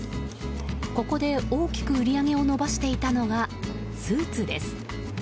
ここで大きく売り上げを伸ばしていたのがスーツです。